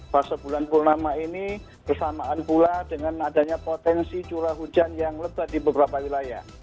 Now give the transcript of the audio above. fase bulan purnama ini bersamaan pula dengan adanya potensi curah hujan yang lebat di beberapa wilayah